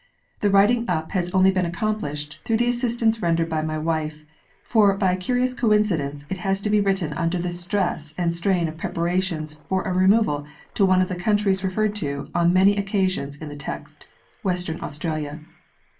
The writing up has only been accomplished through the assistance rendered, by my wife, for by a curious coincidence it had to be written under the stress and strain of preparations for a removal to one of the countries referred to on many occasions in the text, Western Australia.